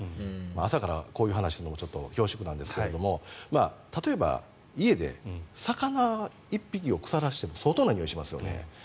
朝からこういう話をするのもちょっと恐縮なんですが例えば家で魚１匹を腐らせても相当なにおいがしますよね。